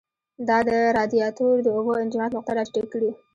دا د رادیاتور د اوبو انجماد نقطه را ټیټه کړي.